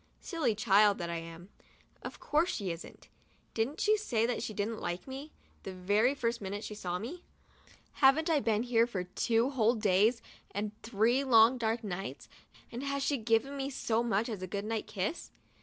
Silly child that I am. Of course she isn't. Didn't she say that she didn't like me, the very first minute that she saw me ? Haven't I been here for two whole days and three long dark nights — and has she given me so much as a good night kiss?